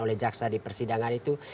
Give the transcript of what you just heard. oleh jaksa di persidangan itu